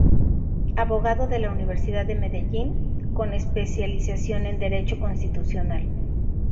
Abogado de la Universidad de Medellín, con especialización en Derecho Constitucional.